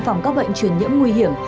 phòng các bệnh truyền nhiễm nguy hiểm